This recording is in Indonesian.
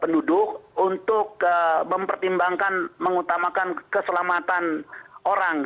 penduduk untuk mempertimbangkan mengutamakan keselamatan orang